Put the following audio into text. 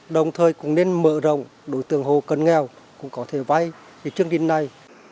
đồng thời cũng nên mở rộng đối tượng hồ cần nghèo cũng có thể vay